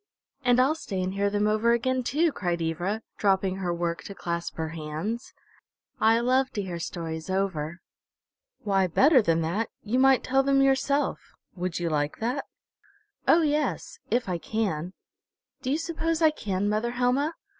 "And I'll stay and hear them over again too!" cried Ivra, dropping her work to clasp her hands. "I love to hear stories over." "Why, better than that, you might tell them yourself. Would you like that?" "Oh, yes if I can. Do you suppose I can, mother Helma?